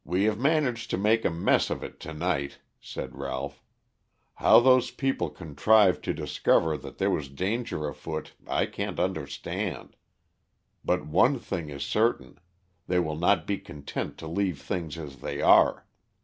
"We have managed to make a mess of it to night," said Ralph. "How those people contrived to discover that there was danger afoot I can't understand. But one thing is certain, they will not be content to leave things as they are.